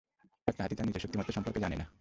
একটা হাতি তার নিজের শক্তিমত্তা সম্পর্কে জানে না।